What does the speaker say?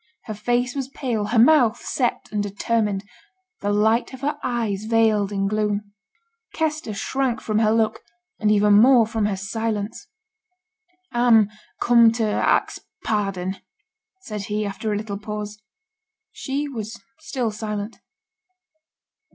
Her face was pale, her mouth set and determined; the light of her eyes veiled in gloom. Kester shrank from her look, and even more from her silence. 'A'm come to ax pardon,' said he, after a little pause. She was still silent.